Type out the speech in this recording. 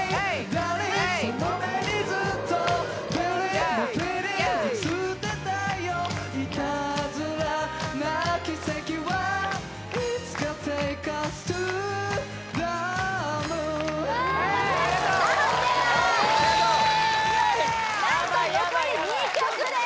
何と残り２曲です